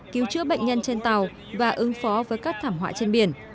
cứu chữa bệnh nhân trên tàu và ứng phó với các thảm họa trên biển